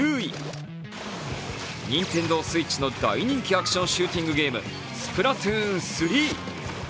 ＮｉｎｔｅｎｄｏＳｗｉｔｃｈの大人気アクションシューティングゲーム、「スプラトゥーン３」。